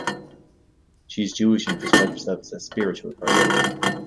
She is Jewish and has described herself as a "spiritual person".